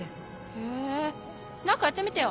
へぇ何かやってみてよ。